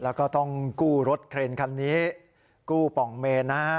แล้วก็ต้องกู้รถเครนคันนี้กู้ป่องเมนนะฮะ